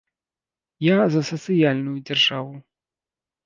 Я за сацыяльную дзяржаву.